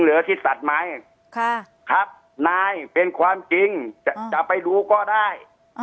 ที่ตัดไหมครับนายเป็นความจริงจะไปดูก็ได้